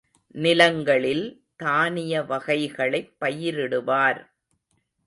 நிலங்களில் தானிய வகைகளைப் பயிரிடுவார்.